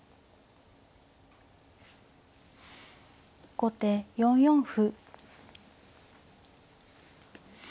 後手４四歩。